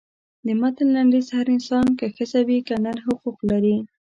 د متن لنډیز هر انسان که ښځه وي که نر حقوق لري.